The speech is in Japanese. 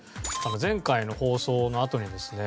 前回の放送のあとにですね